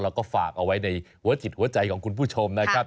แล้วก็ฝากเอาไว้ในหัวจิตหัวใจของคุณผู้ชมนะครับ